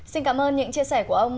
xin cảm ơn những chia sẻ của ông